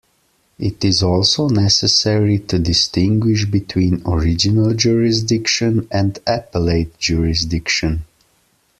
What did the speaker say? It is also necessary to distinguish between original jurisdiction and appellate jurisdiction.